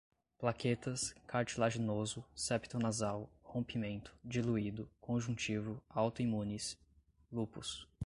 plaquetas, cartilaginoso, septo nasal, rompimento, diluído, conjuntivo, autoimunes, lúpus